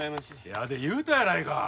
やで言うたやないか。